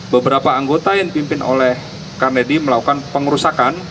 beberapa anggota yang dipimpin oleh kamedi melakukan pengerusakan